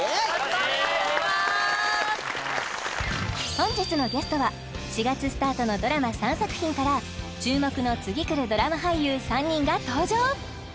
本日のゲストは４月スタートのドラマ３作品から注目の次くるドラマ俳優３人が登場